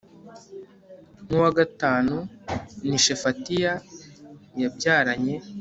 n'uwa gatanu ni shefatiya yabyaranye